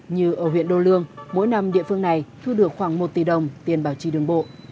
như ở huyện đô lương mỗi năm địa phương này thu được khoảng một tỷ đồng tiền bảo trì đường bộ